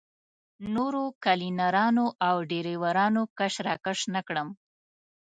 نورو کلینرانو او ډریورانو کش راکش نه کړم.